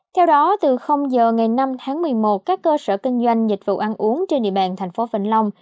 theo đó từ giờ ngày năm tháng một mươi một các cơ sở kinh doanh dịch vụ ăn uống trên địa bàn thành phố vĩnh long